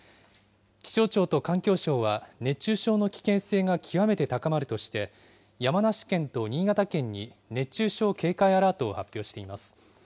気象庁と環境省は、熱中症の危険性が極めて高まるとして、山梨県と新潟県に熱中症警戒アラートを発表しています。